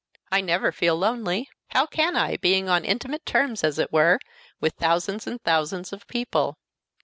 I never feel lonely. How can I, being on intimate terms, as it were, with thousands and thousands of people?